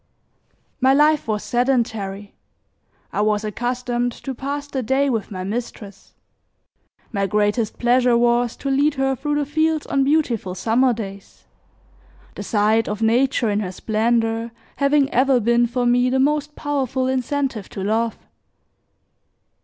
My life was sedentary. I was accustomed to pass the day with my mistress; my greatest pleasure was to lead her through the fields on beautiful summer days, the sight of nature in her splendor having ever been for me the most powerful incentive to love.